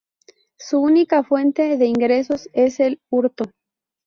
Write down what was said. Su única fuente de ingresos es el hurto.